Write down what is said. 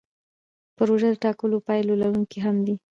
پروژه د ټاکلو پایلو لرونکې هم وي.